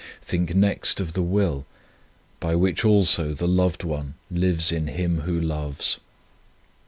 Think next of the will, by which also the loved one lives in him who loves.